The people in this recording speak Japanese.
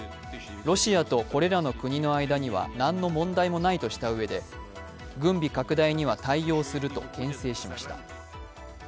ロシアとこれらの国の間には何の問題もないとしたうえで、軍備拡大には対応するとけん制しました。